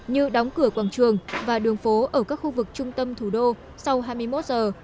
như đóng cửa quảng trường và đường phố ở các khu vực trung tâm thủ đô sau hai mươi một giờ